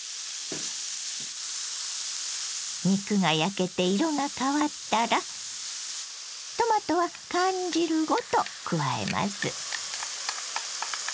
肉が焼けて色が変わったらトマトは缶汁ごと加えます。